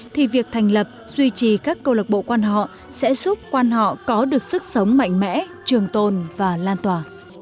thì việc thành lập duy trì các câu lạc bộ quan họ sẽ giúp quan họ có được sức sống mạnh mẽ trường tồn và lan tỏa